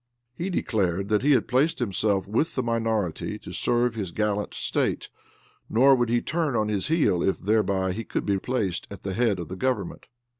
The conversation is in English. He declared that he had placed himself with the minority to serve his gallant State, nor would he turn on his heel if thereby he could be placed at the head of the government.